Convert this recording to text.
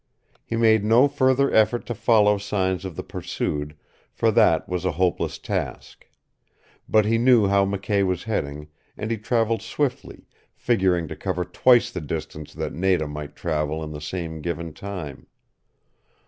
He made no further effort to follow signs of the pursued, for that was a hopeless task. But he knew how McKay was heading, and he traveled swiftly, figuring to cover twice the distance that Nada might travel in the same given time.